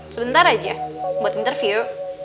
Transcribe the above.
sebentar aja buat interview